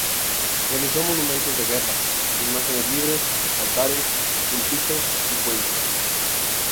Realizó monumentos de guerra, imágenes libres, altares, púlpitos y fuentes.